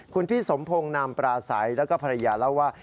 คุณพี่สมพงศ์นามปราศัยแล้วก็ภรรยาเล่าว่า